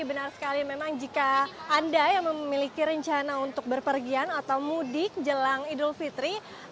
benar sekali memang jika anda yang memiliki rencana untuk berpergian atau mudik jelang idul fitri